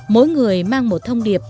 mỗi người mang một thông điệp